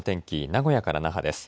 名古屋から那覇です。